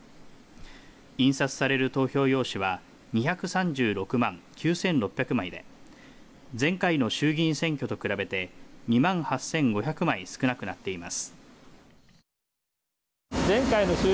印刷される投票用紙は２３６万９６００枚で前回の衆議院選挙と比べて２万８５００枚少なくなっています。